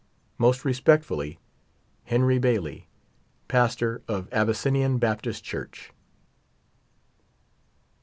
Most respectfully, HENRY BAILEY, Pastor of Abyssinian Baptist Church.